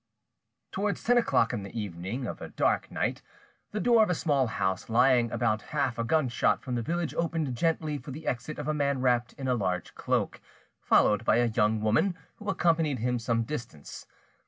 Towards ten o'clock on the evening of a dark night, the door of a small house lying about half a gunshot from the village opened gently for the exit of a man wrapped in a large cloak, followed by a young woman, who accompanied him some distance.